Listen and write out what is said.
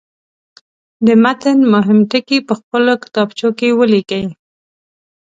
د متن مهم ټکي په خپلو کتابچو کې ولیکئ.